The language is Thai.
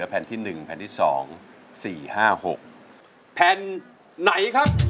ใช้ใช้ใช้